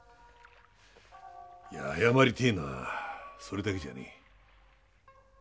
いや謝りてえのはそれだけじゃねえ。